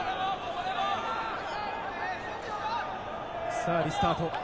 さぁ、リスタート。